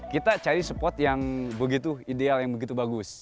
kita cari spot yang begitu ideal yang begitu bagus